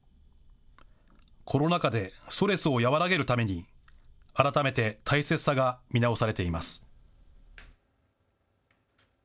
コロナ禍でストレスを和らげるために改めて大切さが見直されています。